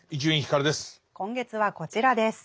今月はこちらです。